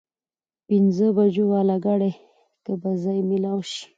پينځه بجو واله ګاډي کې به ځای مېلاو شي؟